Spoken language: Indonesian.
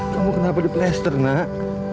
kamu kenapa di plaster nak